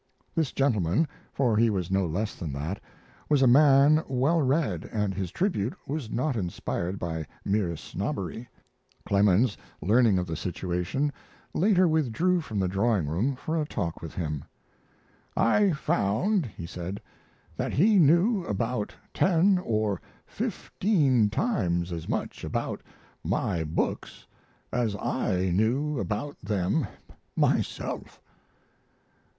This gentleman for he was no less than that was a man well read, and his tribute was not inspired by mere snobbery. Clemens, learning of the situation, later withdrew from the drawing room for a talk with him. "I found," he said, "that he knew about ten or fifteen times as much about my books as I knew about them myself."